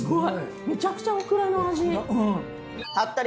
めちゃくちゃオクラの味。